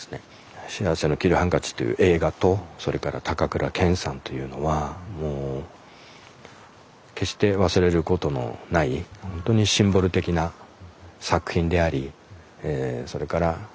「幸福の黄色いハンカチ」という映画とそれから高倉健さんというのはもう決して忘れることのないほんとにシンボル的な作品でありそれから俳優さん。